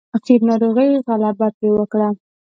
اخير ناروغۍ غلبه پرې وکړه.